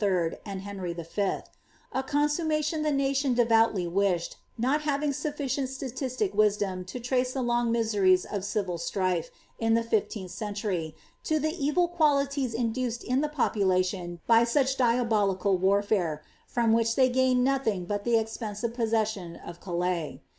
and Henry V^ — a consummation the nation devoutly wished, not having sufficient statistic wisdom to trace the long miseries of civil strife, in the fifteenth century, to the evil qualities induced in the population by such diabolical wartiure, from which they gained nothing but the expensive possession of Calais.